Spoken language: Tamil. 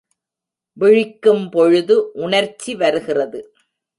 விழிக்கும்பொழுது உணர்ச்சி வருகிறது.